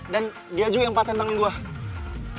dan dia juga yang paten tangan gue